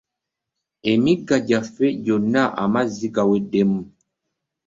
Emigga gyaffe gyonna amazzi gaweddemu